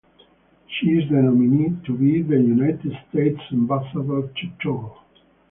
She is the nominee to be the United States Ambassador to Togo.